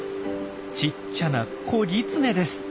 ちっちゃな子ぎつねです。